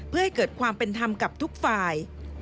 เพื่อให้เกิดความเป็นธรรมกับทุกฝ่าย